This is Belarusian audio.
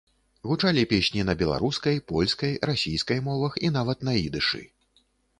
Гучалі песні на беларускай, польскай, расійскай мовах і нават на ідышы.